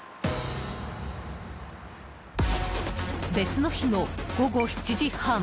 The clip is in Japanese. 別の日の午後７時半。